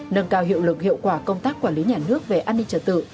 nâng cao hiệu lực hiệu quả công tác quản lý nhà nước về an ninh trật tự